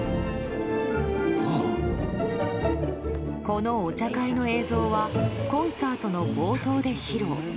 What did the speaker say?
このお茶会の映像はコンサートの冒頭で披露。